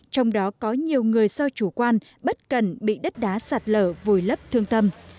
trong đó có nhiều người do chủ quan bất cần bị đất đá sạt lở vùi lấp thương tâm